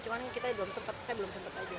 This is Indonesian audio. cuma saya belum sempat saja